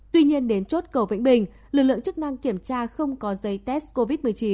tuy nhiên đến chốt cầu vĩnh bình lực lượng chức năng kiểm tra không có giấy test covid một mươi chín